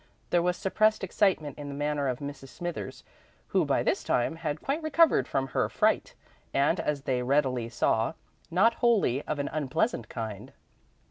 There was suppressed excitement in the manner of Mrs. Smithers, who by this time had quite recovered from her fright, and, as they readily saw, not wholly of an unpleasant kind.